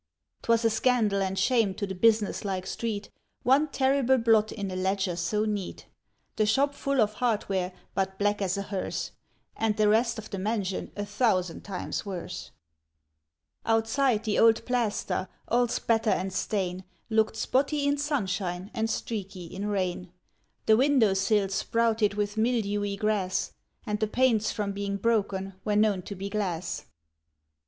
'T was a scandal and shame to the business like street, One terrible blot in a ledger so neat: The shop full of hardware, but black as a hearse, And the rest of the mansion a thousand times worse. Outside, the old plaster, all spatter and stain, Looked spotty in sunshine and streaky in rain; The window sills sprouted with mildewy grass, And the panes from being broken were known to be glass.